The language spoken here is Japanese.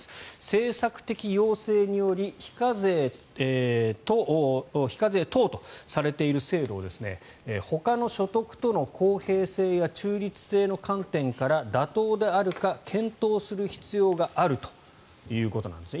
政策的要請により非課税等とされている制度をほかの所得との公平性や中立性の観点から妥当であるか検討する必要があるということなんですね。